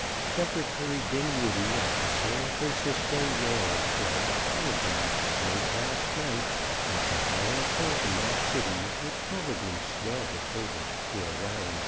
Secretary Dinwoodie of the San Francisco Yale Club telegraphed late last night that the final count in that city would probably swell the total to a round 150,395.